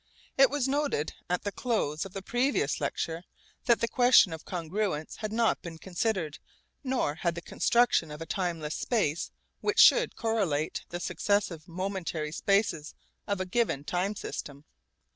It was noted at the close of the previous lecture that the question of congruence had not been considered, nor had the construction of a timeless space which should correlate the successive momentary spaces of a given time system.